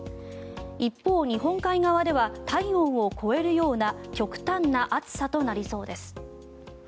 一方、日本海側では体温を超えるような極端な暑さとなりそうです。